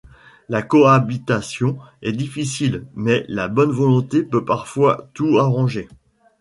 La cohabitation est difficile, mais la bonne volonté peut parfois tout arranger.